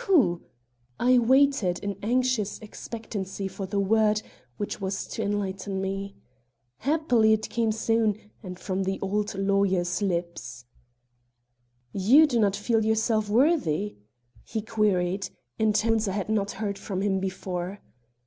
Who? I waited in anxious expectancy for the word which was to enlighten me. Happily it came soon, and from the old lawyer's lips. "You do not feel yourself worthy?" he queried, in tones I had not heard from him before.